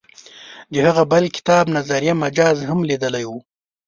د هغه بل کتاب نظریه مجاز هم لیدلی و.